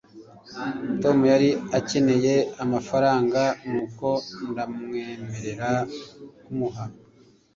tom yari akeneye amafaranga, nuko ndamwemerera kumuha